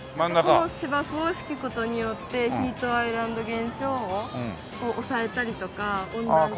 この芝生を引く事によってヒートアイランド現象を抑えたりとか温暖化を。